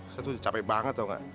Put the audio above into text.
saya tuh capek banget tau gak